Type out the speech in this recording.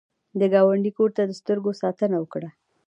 د ګاونډي کور ته د سترګو ساتنه وکړه